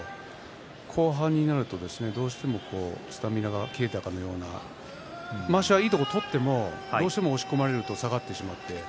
後半になりますと、どうしてもスタミナが切れたかのようなまわしは、いいところを取ってもどうしても押し込まれると下がってしまいます。